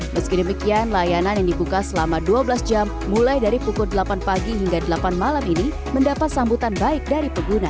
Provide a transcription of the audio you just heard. meski demikian layanan yang dibuka selama dua belas jam mulai dari pukul delapan pagi hingga delapan malam ini mendapat sambutan baik dari pengguna